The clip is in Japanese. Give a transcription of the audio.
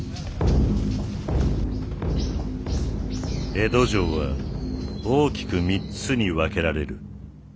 江戸城は大きく３つに分けられる。